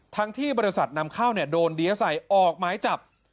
ทั้งที่บริษัทนำข้าวโดนเดียวใส่ออกไม้จับ